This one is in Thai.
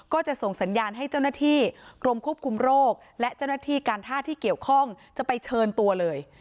ก็จะส่งสัญญาณให้เจ้าหน้าที่กรมควบคุมโรคและเจ้าหน้าที่การท่าที่เกี่ยวข้องจะไปเชิญตัวเลย